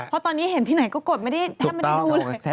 เพราะตอนนี้เห็นที่ไหนก็กดไม่ได้แทบไม่ได้ดูเลย